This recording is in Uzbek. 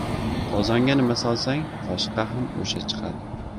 • Qozonga nima solsang, qoshiqqa ham o‘sha chiqadi.